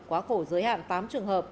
quá khổ giới hạn tám trường hợp